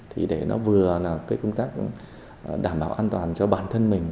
thì để nó vừa là cái công tác đảm bảo an toàn cho bản thân mình